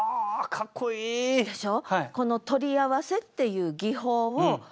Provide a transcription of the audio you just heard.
かっこいい！でしょ？